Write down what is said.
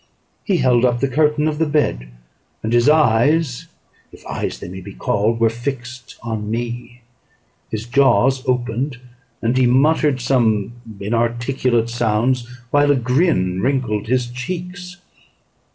He held up the curtain of the bed; and his eyes, if eyes they may be called, were fixed on me. His jaws opened, and he muttered some inarticulate sounds, while a grin wrinkled his cheeks.